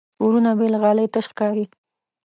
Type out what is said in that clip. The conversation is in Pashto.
کورونه بې له غالۍ تش ښکاري.